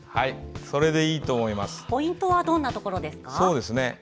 ポイントはどんなところですか？